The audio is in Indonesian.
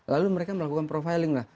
lalu mereka melakukan profiling lah